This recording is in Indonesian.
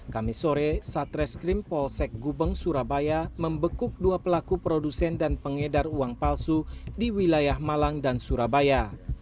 kami sore satreskrim polsek gubeng surabaya membekuk dua pelaku produsen dan pengedar uang palsu di wilayah malang dan surabaya